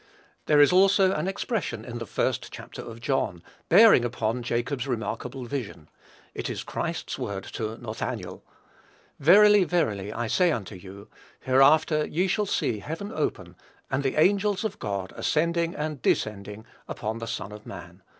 There is also an expression in the first chapter of John, bearing upon Jacob's remarkable vision; it is Christ's word to Nathanael, "Verily, verily, I say unto you, hereafter ye shall see heaven open, and the angels of God ascending and descending upon the Son of man."